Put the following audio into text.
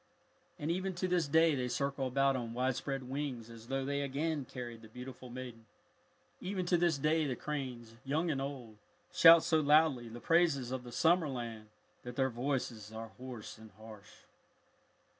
And even to this day they circle about on widespread wings as though they again carried the beautiful maiden. Even to this day the cranes, young and old, shout so loudly the praises of the summer land that their voices are hoarse and harsh.